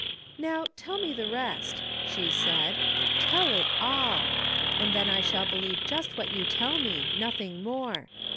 " Now, tell me the rest," she said. " Tell it dl! And then I shall believe just what you tell me, nothing more!